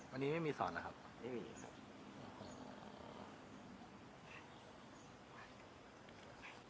วันนี้ไม่มีสอนแล้วครับไม่มีครับ